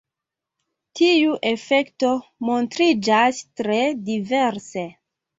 Tiu efekto montriĝas tre diverse.